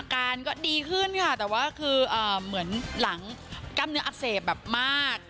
อาการก็ดีขึ้นค่ะแต่ว่าคือเหมือนหลังกล้ามเนื้ออักเสบแบบมาก